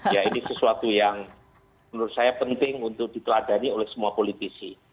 ya ini sesuatu yang menurut saya penting untuk diteladani oleh semua politisi